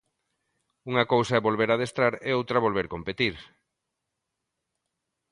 Unha cousa é volver adestrar e outra volver competir.